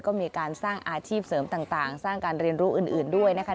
ก็มีการสร้างอาชีพเสริมต่างสร้างการเรียนรู้อื่นด้วยนะคะ